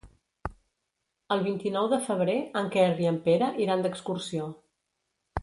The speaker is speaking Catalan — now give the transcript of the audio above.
El vint-i-nou de febrer en Quer i en Pere iran d'excursió.